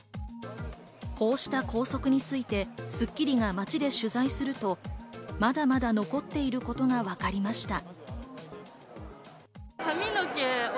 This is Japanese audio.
こうした校則について『スッキリ』が街で取材すると、まだまだ残っていることがわかりました。